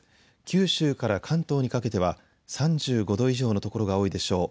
九州から関東にかけては３５度以上の所が多いでしょう。